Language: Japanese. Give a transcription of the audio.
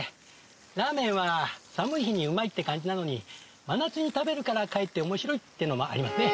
ラーメンは寒い日にうまいって感じなのに真夏に食べるからかえって面白いっていうのもありますね。